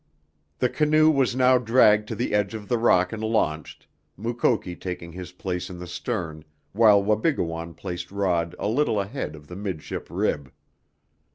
The canoe was now dragged to the edge of the rock and launched, Mukoki taking his place in the stern while Wabigoon placed Rod a little ahead of the midship rib.